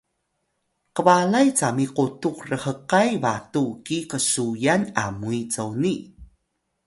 kbalay cami qutux rhkay batu ki qsuyan Amuy coni